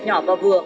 nhỏ và vừa